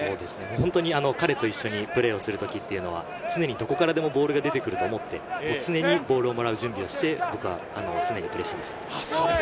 彼と一緒にプレーをする時というのは常にどこからでもボールが出てくると思って、常にボールをもらう準備をして、プレーしていました。